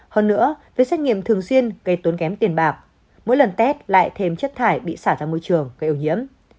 hơn nữa việc xét nghiệm thường xuyên gây tốn kém tiền bạc mỗi lần test lại thêm chất thải bị xả ra môi trường gây ô nhiễm